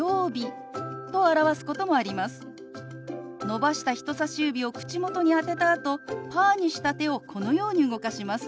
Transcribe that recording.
伸ばした人さし指を口元に当てたあとパーにした手をこのように動かします。